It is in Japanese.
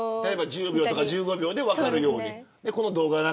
１０秒とか１５秒で分かるように。